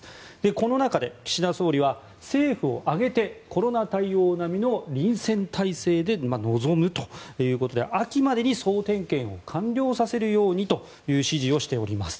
この中で岸田総理は政府を挙げてコロナ対応並みの臨戦態勢で臨むということで秋までに総点検を完了させるようにという指示をしております。